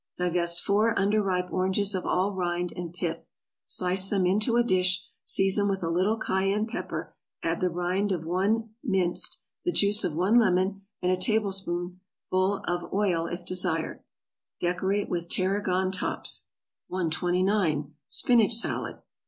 = Divest four under ripe oranges of all rind and pith, slice them into a dish, season with a little cayenne pepper, add the rind of one minced, the juice of one lemon and a tablespoonful of oil if desired; decorate with tarragon tops. 129. =Spinach Salad.